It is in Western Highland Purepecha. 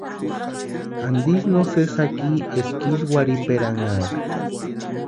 ¿Antisï no sesí jaki eska ísï warhiperanhaaka?